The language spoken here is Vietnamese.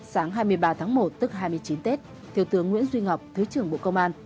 sáng hai mươi ba tháng một tức hai mươi chín tết thiếu tướng nguyễn duy ngọc thứ trưởng bộ công an